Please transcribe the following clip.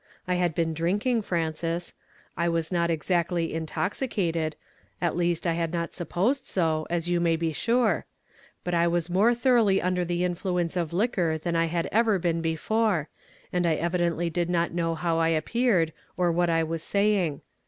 I had been drinking, Frances. I was not exactly intoxicated ; at least I had not supposed so, as you may be sure ; but I was more thoroughly under the influence of liquor than I had ever been l)efore, and I evidently did not know how I appeared, or what I was say ing.